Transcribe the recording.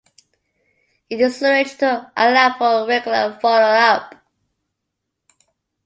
It is arranged to allow for regular follow-up.